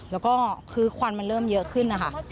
แล้วก็คือควันมันเริ่มเยอะขึ้นนะคะ